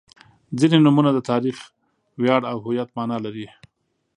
• ځینې نومونه د تاریخ، ویاړ او هویت معنا لري.